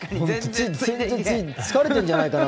疲れてるんじゃないかな？